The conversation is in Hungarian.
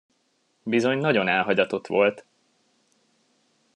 Bizony nagyon elhagyatott volt!